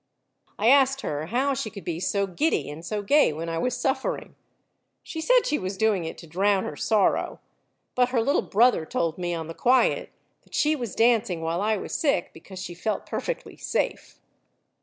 I asked her how she could be so giddy and so gay when I was suffering. She said she was doing it to drown her sorrow, but her little brother told me on the quiet that she was dancing while I was sick because she felt perfectly safe.